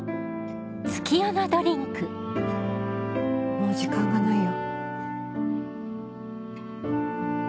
もう時間がないよ。